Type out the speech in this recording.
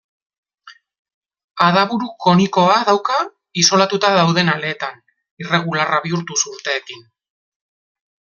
Adaburu konikoa dauka isolatuta dauden aleetan, irregularra bihurtuz urteekin.